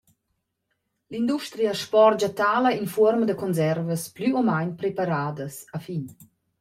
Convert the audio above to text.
L’industria spordscha tala in fuorma da conservas plü o main preparadas a fin.